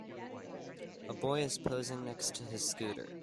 A boy is posing next to his scooter.